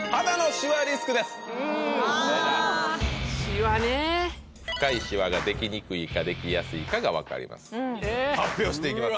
シワね深いシワができにくいかできやすいかが分かります発表していきます